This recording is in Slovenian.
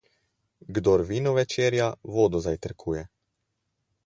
Kdor vino večerja, vodo zajtrkuje.